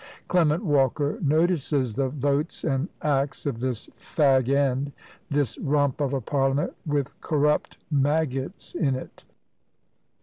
Clement Walker notices "the votes and acts of this fag end; this RUMP of a parliament, with corrupt maggots in it."